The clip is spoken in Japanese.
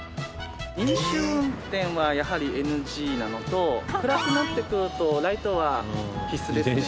飲酒運転はやはりＮＧなのと暗くなってくるとライトは必須ですね。